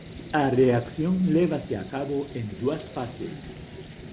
A reacción lévase a cabo en dúas fases.